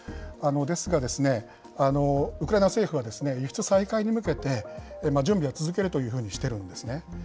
ですが、ウクライナ政府は、輸出再開に向けて、準備は続けるというふうにしているんですね。